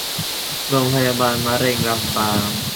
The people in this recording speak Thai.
โรงพยาบาลมะเร็งลำปาง